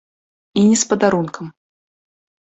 І не з падарункам.